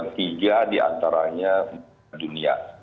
tiga di antaranya dunia